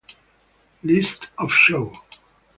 List of Show!